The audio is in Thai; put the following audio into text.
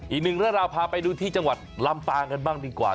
อีกหนึ่งเรื่องราวพาไปดูที่จังหวัดลำปางกันบ้างดีกว่า